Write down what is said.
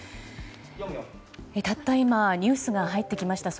たった今ニュースが入ってきました。